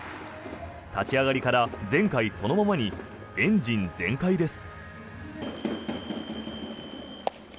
立ち上がりから前回そのままにエンジン全開です。